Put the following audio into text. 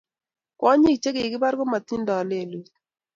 kwonyik che kikipar ko kimatindo lelut